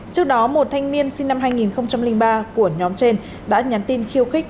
trước đó một thanh niên sinh năm hai nghìn ba của nhóm trên đã nhắn tin khiêu khích